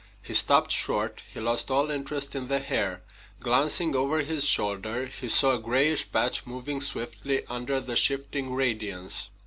He stopped short. He lost all interest in the hare. Glancing over his shoulder, he saw a grayish patch moving swiftly under the shifting radiance.